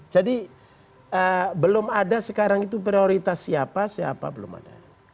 jadi belum ada sekarang itu prioritas siapa siapa belum ada